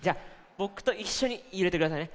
ぼくといっしょにゆれてくださいね。